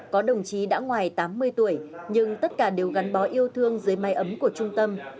có đồng chí đã ngoài tám mươi tuổi nhưng tất cả đều gắn bó yêu thương dưới mái ấm của trung tâm